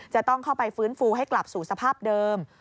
จะต้องเข้าไปฟื้นฟูให้กลับสู่สภาพเดิม